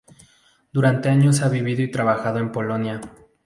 Durante años ha vivido y trabajado en Polonia.